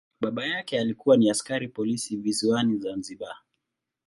Baba yake alikuwa ni askari polisi visiwani Zanzibar.